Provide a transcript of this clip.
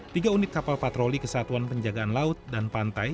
tiga unit kapal patroli kesatuan penjagaan laut dan pantai